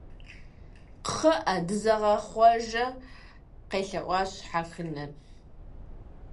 КхъыӀэ, дызэгъэхъуажэ, къелъэӀуащ щхьэхынэр.